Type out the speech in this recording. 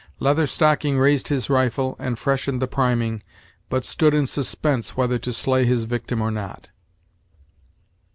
Leather Stocking raised his rifle and freshened the priming, but stood in suspense whether to slay his victim or not.